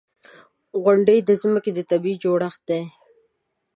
• غونډۍ د ځمکې طبعي جوړښتونه دي.